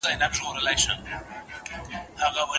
که سړي ځان حانث نه کړ، قاضي څه کوي؟